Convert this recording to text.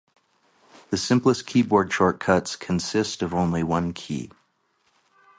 The simplest keyboard shortcuts consist of only one key.